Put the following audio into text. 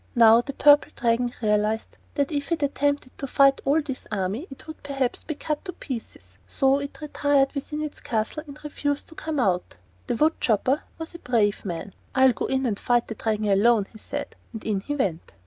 Now the Purple Dragon realized that if it attempted to fight all this army, it would perhaps be cut to pieces; so it retired within its castle and refused to come out. The wood chopper was a brave man. "I'll go in and fight the Dragon alone," he said; and in he went.